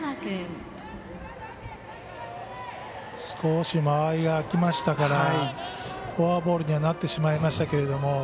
少し間合いがあきましたからフォアボールにはなってしまいましたけども。